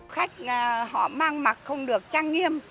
khách họ mang mặt không được trang nghiêm